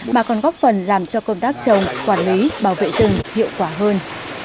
mà còn góp phần làm cho công tác trồng quản lý bảo vệ rừng hiệu quả hơn